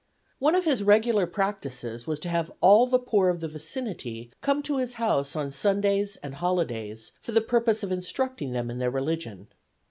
One of his regular practices was to have all the poor of the vicinity come to his house on Sundays and holidays for the purpose of instructing them in their religion.